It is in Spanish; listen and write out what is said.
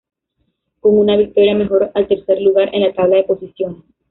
Con una victoria, mejoró al tercer lugar en la tabla de posiciones.